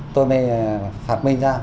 tôi mới phát minh ra